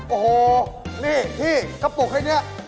โอ้โฮนี่ที่กระปุกแค่นี้